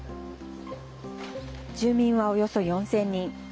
住民は、およそ４０００人。